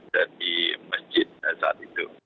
dan di masjid saat itu